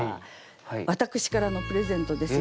私からのプレゼントです。